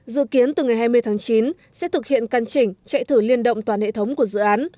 dự kiến từ ngày hai mươi tháng chín sẽ thực hiện căn chỉnh chạy thử liên động toàn hệ thống của dự án